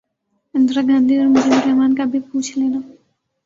اندرا گاندھی اور مجیب الر حمن کا بھی پوچھ لینا